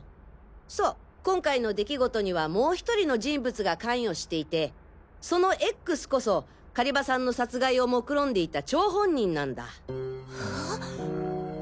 そう今回の出来事にはもう１人の人物が関与していてそのＸこそ狩場さんの殺害を目論んでいた張本人なんだ。